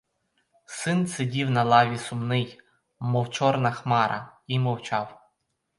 Син сидів на лаві сумний, мов чорна хмара, і мовчав.